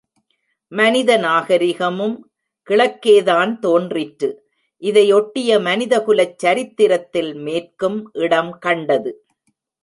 மனித நாகரிகமும் கிழக்கேதான் தோன்றிற்று. இதையொட்டிய மனிதகுலச் சரித்திரத்தில் மேற்கும் இடம் கண்டது.